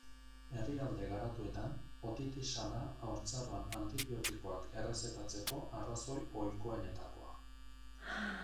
Herrialde garatuetan, otitisa da haurtzaroan antibiotikoak errezetatzeko arrazoi ohikoenetakoa.